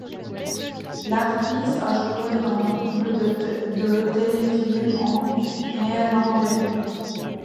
L'actrice a joué dans nombre de téléfilms en néerlandais.